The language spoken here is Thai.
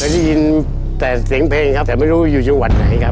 ได้ยินแต่เสียงเพลงครับแต่ไม่รู้อยู่จังหวัดไหนครับ